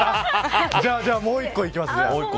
じゃあ、もう１個いきますね。